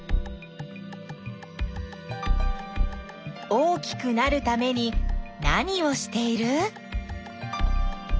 大きくなるために何をしている？